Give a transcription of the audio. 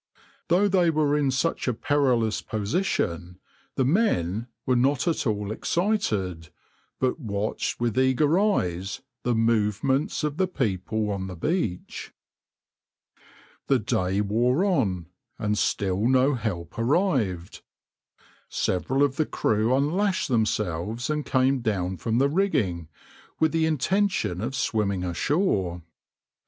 Though they were in such a perilous position, the men were not at all excited, but watched with eager eyes the movements of the people on the beach.\par The day wore on, and still no help arrived. Several of the crew unlashed themselves and came down from the rigging, with the intention of swimming ashore.